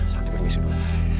sakti permisi dulu